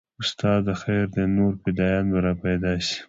استاده خير دى نور فدايان به راپيدا سي.